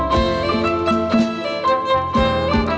สวัสดีค่ะ